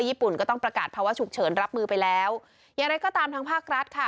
ญี่ปุ่นก็ต้องประกาศภาวะฉุกเฉินรับมือไปแล้วอย่างไรก็ตามทางภาครัฐค่ะ